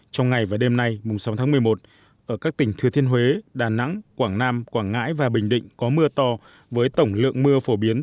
trong ngày và đêm nay sáu tháng một mươi một ở các tỉnh thừa thiên huế đà nẵng quảng nam quảng ngãi và bình định có mưa to với tổng lượng mưa phổ biến